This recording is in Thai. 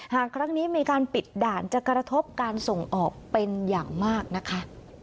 หากครั้งนี้มีการปิดด่านจะกระทบการส่งออกเป็นอย่างมากนะคะ